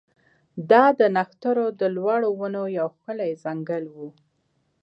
دا د نښترو د لوړو ونو یو ښکلی ځنګل و